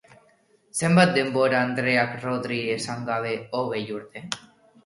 Zenbat denbora andreak Rodri esan gabe, hogei urte?